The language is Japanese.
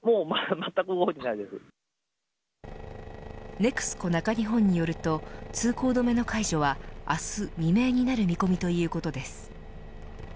ＮＥＸＣＯ中日本によると通行止めの解除は明日未明になる見込みということです。